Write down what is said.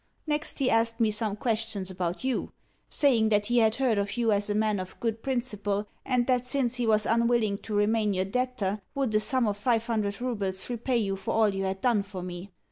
Next he asked me some questions about YOU; saying that he had heard of you as a man of good principle, and that since he was unwilling to remain your debtor, would a sum of five hundred roubles repay you for all you had done for me?